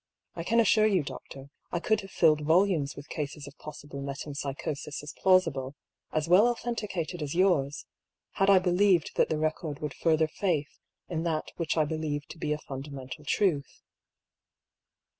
"I can assure you, doctor, I could have filled volumes with cases of possible metempsychosis as plausible, as well authenti cated as yours, had I believed that the record would further faith in that which I believe to be a fundamental truth."